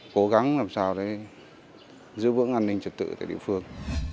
cố gắng làm sao để giữ vững an ninh trật tự tại địa phương